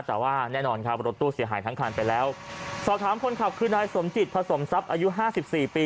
แต่ว่าแน่นอนครับรถตู้เสียหายทั้งคันไปแล้วสอบถามคนขับคือนายสมจิตผสมทรัพย์อายุห้าสิบสี่ปี